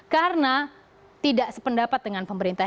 karena tidak sependapat dengan pemerintah